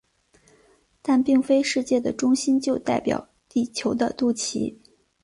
但并非世界的中心就代表地球的肚脐。